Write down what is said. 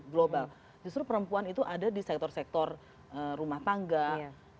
nah dan perempuan yang terikat dengan pasar global nah dan perempuan itu ada di sektor sektor rumah tangga umkm tit truths mejor